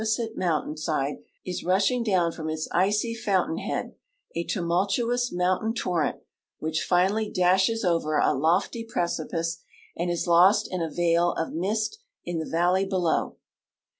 site mountain side is rushing down from its icy foun tain head a tumultuous mountain torrent which finally dashes over a lofty precipice apd is lost in a veil of mist in the valley below.